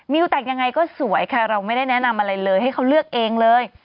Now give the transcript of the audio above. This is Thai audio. แต่งยังไงก็สวยค่ะเราไม่ได้แนะนำอะไรเลยให้เขาเลือกเองเลย